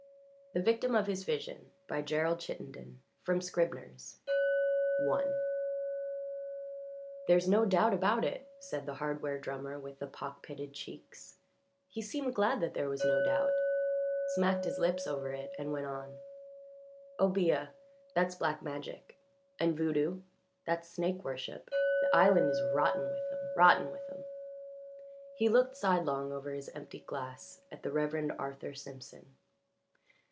THE VICTIM OF HIS VISION By GERALD CHITTENDEN From Scribner's I "There's no doubt about it," said the hardware drummer with the pock pitted cheeks. He seemed glad that there was no doubt smacked his lips over it and went on. "Obeah that's black magic; and voodoo that's snake worship. The island is rotten with 'em rotten with 'em." He looked sidelong over his empty glass at the Reverend Arthur Simpson.